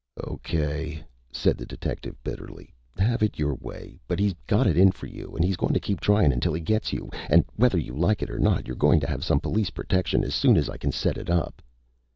"O.K.!" said the detective bitterly. "Have it your way! But he's got it in for you an' he's goin' to keep tryin' until he gets you! An' whether you like it or not, you're goin' to have some police protection as soon as I can set it up."